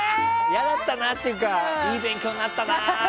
嫌だったっていうかいい勉強になったなー。